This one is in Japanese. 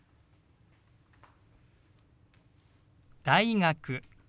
「大学」。